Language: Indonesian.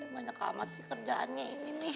banyak amat bekerjaannya ini nih